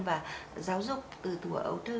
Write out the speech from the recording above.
và giáo dục từ thùa ấu thơ